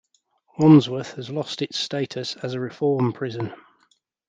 Wansworth has lost its status as a reform prison.